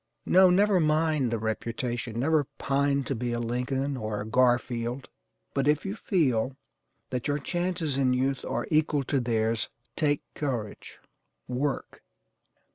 No, never mind the reputation; never pine to be a Lincoln, or a Garfield, but if you feel that your chances in youth are equal to theirs, take courage WORK.